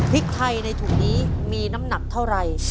พริกไทยในถุงนี้มีน้ำหนักเท่าไหร่